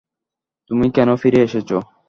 তুমি কেন ফিরে এসেছো?